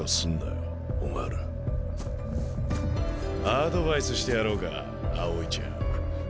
アドバイスしてやろうか青井ちゃん。